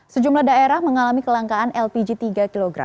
sejumlah daerah mengalami kelangkaan lpg tiga kg